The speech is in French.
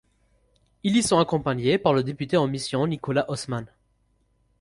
Il y sont accompagnés par le député en mission Nicolas Haussmann.